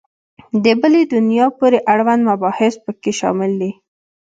د بلي دنیا پورې اړوند مباحث په کې شامل دي.